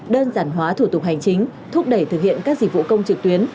đơn giản hóa thủ tục hành chính thúc đẩy thực hiện các dịch vụ công trực tuyến